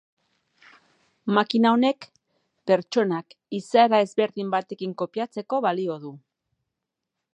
Makina honek pertsonak izaera ezberdin batekin kopiatzeko balio du.